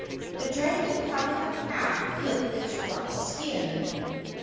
The dragon covered the path with its rough skin.